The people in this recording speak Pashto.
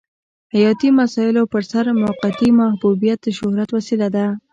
حیاتي مسایلو پرسر موقتي محبوبیت د شهرت وسیله ده.